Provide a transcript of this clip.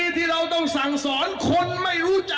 สบายดีหมอ